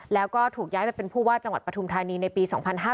แล้วก็ถูกย้ายไปเป็นผู้ว่าจังหวัดปฐุมธานีในปี๒๕๕๙